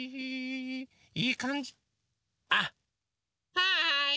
はい！